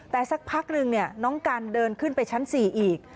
แต่สักพักนึงน้องกันเดินขึ้นไปชั้น๔อีก